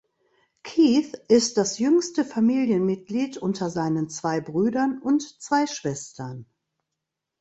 Keith ist das jüngste Familienmitglied unter seinen zwei Brüdern und zwei Schwestern.